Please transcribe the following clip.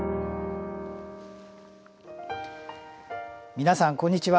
皆さんこんにちは。